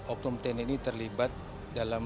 oknum tni ini terlibat dalam